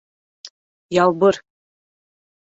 — Ялбыр?!